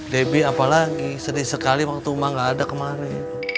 debbie apa lagi sedih sekali waktu mak enggak ada kemana